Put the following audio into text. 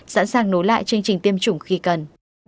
sẵn sàng nối lại chương trình tiêm chủng khi cần